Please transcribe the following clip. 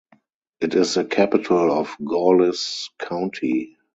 It is the capital of Gorlice County.